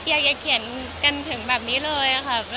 อยากจะเขียนกันถึงแบบนี้เลยค่ะ